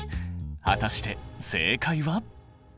果たして正解は？